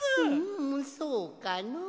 んそうかの。